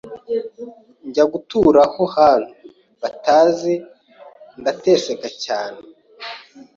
njya gutura aho abantu batanzi ndatesekara cyane